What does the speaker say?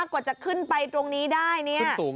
กว่าจะขึ้นไปตรงนี้ได้เนี่ย